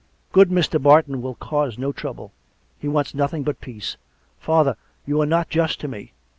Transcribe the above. Good Mr. Barton will cause no trouble; he wants nothing but peace. Father, you are not just to me.